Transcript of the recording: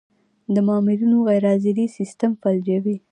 د مامورینو غیرحاضري سیستم فلجوي.